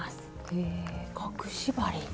へ隠し針！